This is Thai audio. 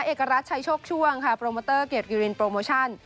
เอกรัฐชัยโชคช่วงค่ะโปรโมเตอร์เกียรติกิรินโปรโมชั่น